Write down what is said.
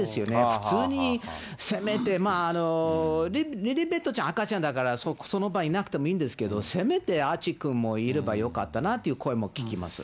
普通に、せめて、リリベットちゃん、赤ちゃんだからその場いなくてもいいんですけど、せめてアーチーくんもいればよかったなって声も聞きます。